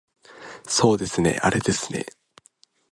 そうですねあれですね